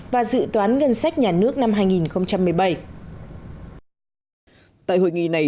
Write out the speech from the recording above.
và dự toán ngân sách nhà nước năm hai nghìn hai mươi